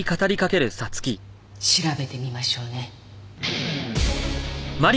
調べてみましょうね。